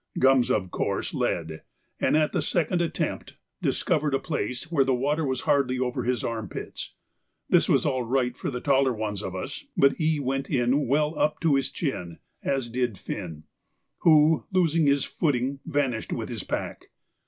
Gums, of course, led; and at the second attempt discovered a place where the water was hardly over his armpits. This was all right for the taller ones of us, but E. went in well up to his chin, as did Finn, who, losing his footing, vanished with his pack.